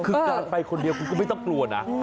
คือการไปคนเดียวคุณก็ไม่ต้องกลัวนะ